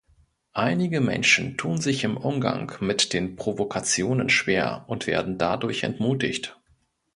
Einige Menschen tun sich im Umgang mit den Provokationen schwer und werden dadurch entmutigt.